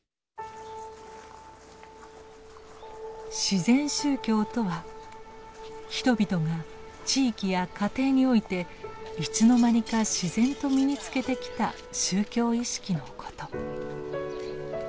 「自然宗教」とは人々が地域や家庭においていつの間にか自然と身につけてきた宗教意識のこと。